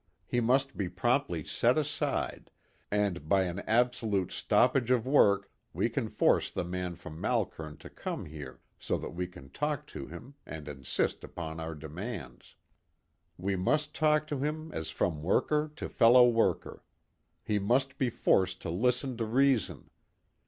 He must be promptly set aside, and, by an absolute stoppage of work, we can force the man from Malkern to come here so that we can talk to him, and insist upon our demands. We must talk to him as from worker to fellow worker. He must be forced to listen to reason.